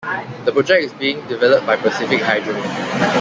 The project is being developed by Pacific Hydro.